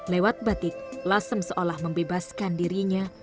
lewat batik lasem seolah membebaskan dirinya